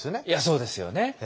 いやそうですよね。